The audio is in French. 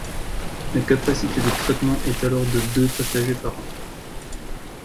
La capacité de traitement est alors de de passagers par an.